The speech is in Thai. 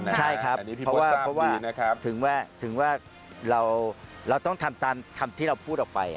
ใช่ครับเพราะว่าถึงว่าเราต้องทำตามคำที่เราพูดออกไป